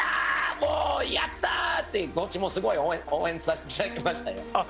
もうやったー！って、こっちもすごい応援させていただきましたよ。